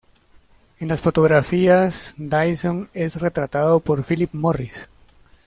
En las fotografías, Dyson es retratado por Phil Morris.